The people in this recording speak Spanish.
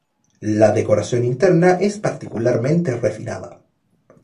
La decoración interna es particularmente refinada.